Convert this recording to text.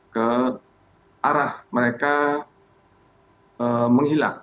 ke arah mereka menghilang